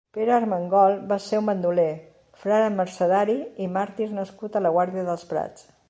Pere Ermengol va ser un bandoler, frare mercedari i màrtir nascut a la Guàrdia dels Prats.